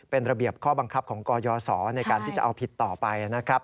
เป็นระเบียบข้อบังคับของกยศในการที่จะเอาผิดต่อไปนะครับ